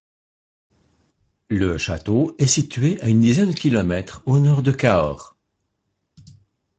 Le château est situé à une dizaine de kilomètres au nord de Cahors.